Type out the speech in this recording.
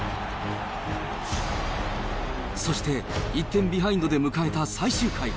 そして、１点ビハインドで迎えた最終回。